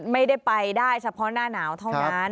ไม่ได้ไปได้เฉพาะหน้าหนาวเท่านั้น